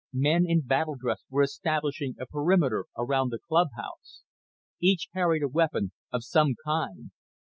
Men in battle dress were establishing a perimeter around the clubhouse. Each carried a weapon of some kind.